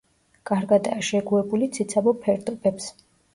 კარგადაა შეგუებული ციცაბო ფერდობებს.